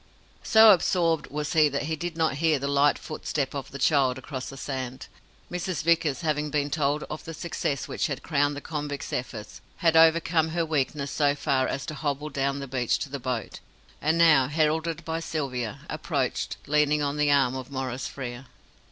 So absorbed was he that he did not hear the light footstep of the child across the sand. Mrs. Vickers, having been told of the success which had crowned the convict's efforts, had overcome her weakness so far as to hobble down the beach to the boat, and now, heralded by Sylvia, approached, leaning on the arm of Maurice Frere.